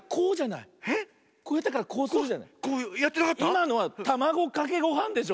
いまのはたまごかけごはんでしょ。